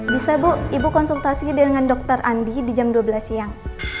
bisa bu ibu konsultasi dengan dokter andi di jam dua belas siang